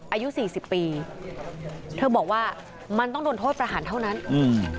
อายุสี่สิบปีเธอบอกว่ามันต้องโดนโทษประหารเท่านั้นอืม